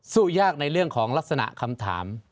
สู้ยากในเรื่องของลักษณะคำถาม